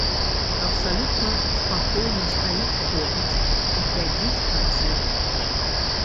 Абсалютна спакойна стаіць побач, глядзіць канцэрт.